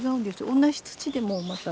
同じ土でもまた。